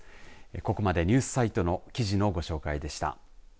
ここまでニュースサイトの記事のご紹介でした。